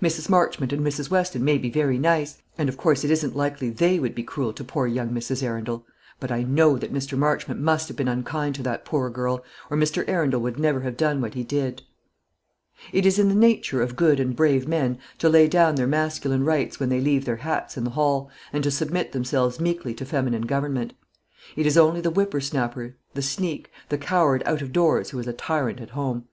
Mrs. Marchmont and Mrs. Weston may be very nice, and of course it isn't likely they would be cruel to poor young Mrs. Arundel; but I know that Mr. Marchmont must have been unkind to that poor girl, or Mr. Arundel would never have done what he did." It is in the nature of good and brave men to lay down their masculine rights when they leave their hats in the hall, and to submit themselves meekly to feminine government. It is only the whippersnapper, the sneak, the coward out of doors who is a tyrant at home.